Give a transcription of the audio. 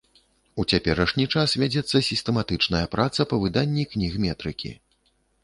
У цяперашні час вядзецца сістэматычная праца па выданні кніг метрыкі.